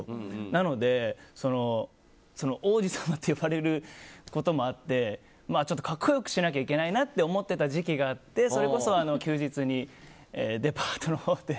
なので王子様と呼ばれることもあってちょっと格好良くしなきゃいけないなと思ってた時期があってそれこそ休日にデパートのほうで。